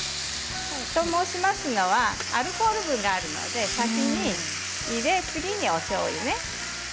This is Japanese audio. と申しますのはアルコール分があるので先に入れて次に、おしょうゆね。